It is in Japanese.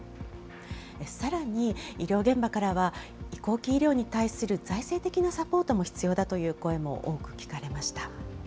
さらに、医療現場からは、移行期医療に対する財政的なサポートも必要だという声も多く聞かれました。